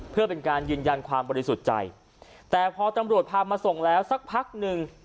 เพื่อเป็นการยืนยันความบริสุทธิ์ใจแต่พอตำรวจพามาส่งแล้วสักพักหนึ่ง